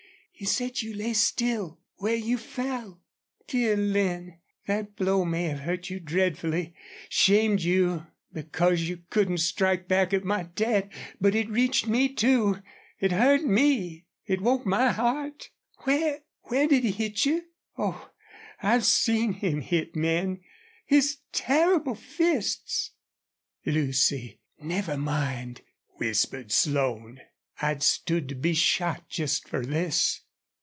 He said you lay still where you fell! ... Dear Lin, that blow may have hurt you dreadfully shamed you because you couldn't strike back at my dad but it reached me, too. It hurt me. It woke my heart.... Where where did he hit you? Oh, I've seen him hit men! His terrible fists!" "Lucy, never mind," whispered Slone. "I'd stood to be shot just for this."